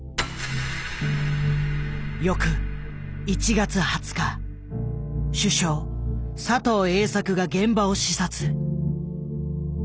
翌１月２０日首相佐藤栄作が現場を視察。